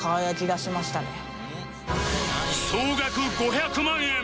総額５００万円